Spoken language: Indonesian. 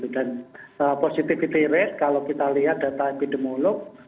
dan positivity rate kalau kita lihat data epidemiolog